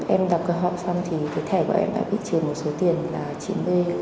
em đọc cái họ xong thì cái thẻ của em đã biết trừ một số tiền là chín mươi năm một trăm năm mươi đồng